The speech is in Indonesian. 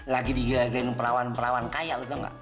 lagi digagalin perawan perawan kaya lu tau ga